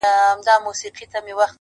!د هر اواز سره واخ، واخ پورته کړي!